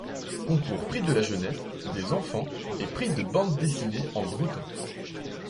Concours Prix de la Jeunesse, des enfants, et prix de bandes-dessinées en breton.